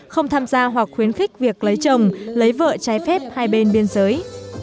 không tham gia hoặc khuyến khích việc lấy chồng lấy vợ trái phép hai bên biên giới